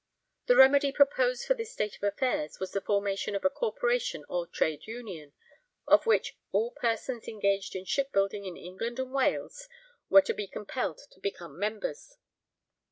The remedy proposed for this state of affairs was the formation of a corporation or trade union, of which all persons engaged in shipbuilding in England and Wales were to be compelled to become members.